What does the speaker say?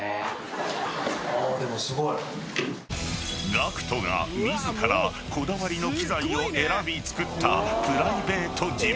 ［ＧＡＣＫＴが自らこだわりの機材を選び作ったプライベートジム］